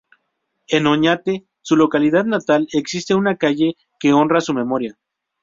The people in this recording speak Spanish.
En Oñate, su localidad natal, existe una calle que honra su memoria.